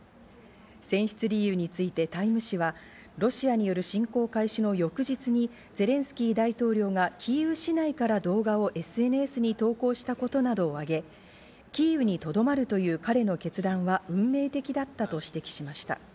選出理由についてタイム誌はロシアによる侵攻開始の翌日にゼレンスキー大統領がキーウ市内から動画をＳＮＳに投稿したことなどを挙げ、キーウにとどまるという彼の決断は運命的だったと指摘しました。